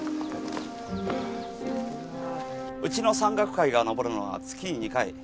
うちの山岳会が登るのは月に２回。